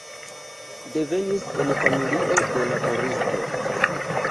Devenis en familio de laboristo.